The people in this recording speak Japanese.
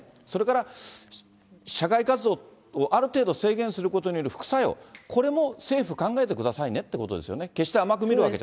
それから、社会活動をある程度制限することによる副作用、これも政府、考えてくださいねってことですよね。